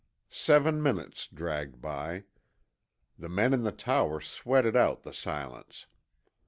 Seven minutes dragged by. The men in the tower sweated out the silence.